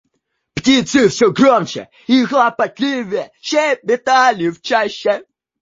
Птицы всё громче и хлопотливее щебетали в чаще.